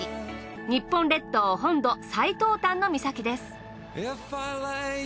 日本列島本土最東端の岬です。